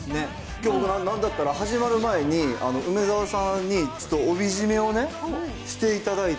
きょう、なんだったら始まる前に、梅沢さんに、ちょっと帯締めをね、していただいて。